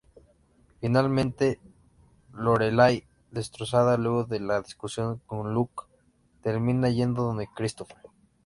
Finalmente, Lorelai, destrozada luego de la discusión con Luke, termina yendo donde Christopher.